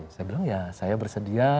saya bilang ya saya bersedia